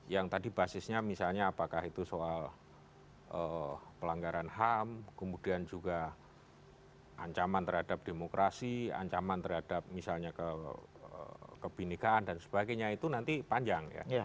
yang tadi basisnya misalnya apakah itu soal pelanggaran ham kemudian juga ancaman terhadap demokrasi ancaman terhadap misalnya kebenekaan dan sebagainya itu nanti panjang ya